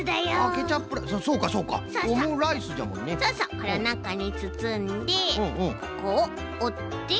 これをなかにつつんでここをおって。